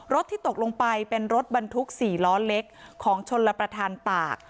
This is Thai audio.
ที่ตกลงไปเป็นรถบรรทุก๔ล้อเล็กของชนรับประทานตาก